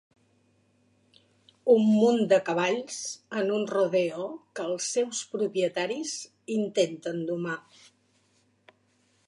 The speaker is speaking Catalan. Un munt de cavalls en un rodeo que els seus propietaris intenten domar.